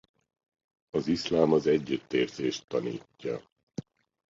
Az iszlám az együttérzést tanítja.